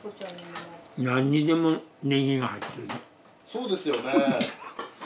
そうですよね。